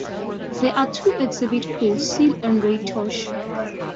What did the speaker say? There are two exhibit pools: seals and ray touch.